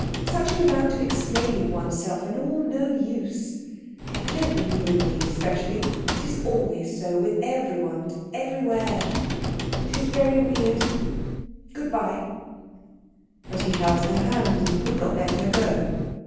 Such an amount of explaining oneself, and all no use. I don't mean you and me especially it is always so, with everyone and everywhere. It is very weird. Good bye." But he held her hand and would not let her go.